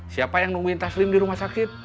siapa yang nemuin taslim di rumah sakit